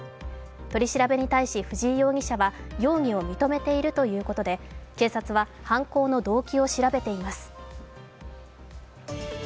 取り調べに対し藤井容疑者は容疑を認めているということで警察は犯行の動機を調べています。